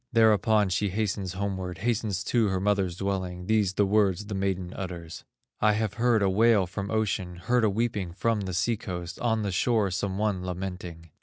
Thereupon she hastens homeward, Hastens to her mother's dwelling, These the words the maiden utters: "I have heard a wail from ocean, Heard a weeping from the sea coast, On the shore some one lamenting."